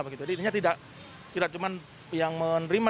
jadi ini tidak cuma yang menerima